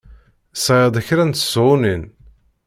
Sɣiɣ-d kra n tesɣunin.